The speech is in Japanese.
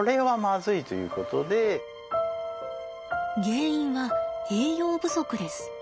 原因は栄養不足です。